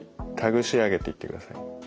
ぐしあげていってください。